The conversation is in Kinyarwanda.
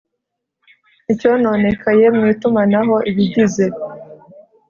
Icyononekaye mu itumanaho ibigize